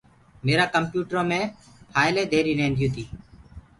ميرآ ڪمپيوٽرو مي ڦآئلين ڌيري ريهنديو تي۔